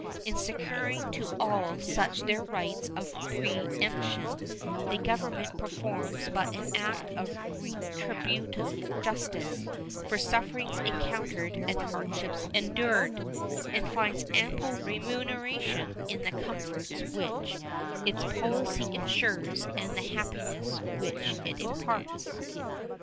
In securing to all such their rights of preemption the Government performs but an act of retributive justice for sufferings encountered and hardships endured, and finds ample remuneration in the comforts which its policy insures and the happiness which it imparts.